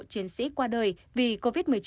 chiến sĩ qua đời vì covid một mươi chín